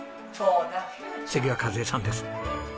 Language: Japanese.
次は和枝さんです。